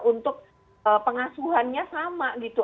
untuk pengasuhannya sama gitu